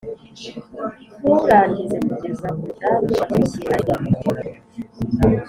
nturangize kugeza umudamu wabyibushye aririmba